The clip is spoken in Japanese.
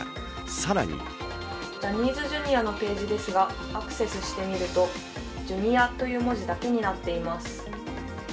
更にジャニーズＪｒ．のページですがアクセスしてみると「ジュニア」という文字だけになっています。